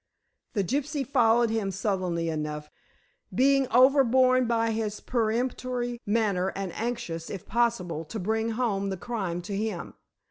The gypsy followed him sullenly enough, being overborne by his peremptory manner, and anxious, if possible, to bring home the crime to him.